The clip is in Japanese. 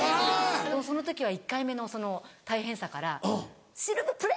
でもその時は１回目のその大変さから「シルブプレ！」